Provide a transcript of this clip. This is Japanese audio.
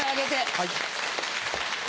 はい。